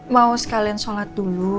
mau sekalian sholat dulu